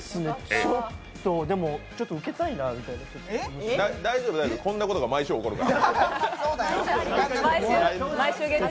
でもちょっと受けたいなみたいな大丈夫、大丈夫こんなことが毎週起こるから。